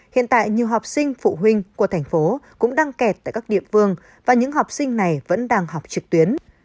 hiện tại nhiều học sinh phụ huynh của thành phố cũng đang kẹt tại các địa phương và những học sinh này vẫn đang học trực tuyến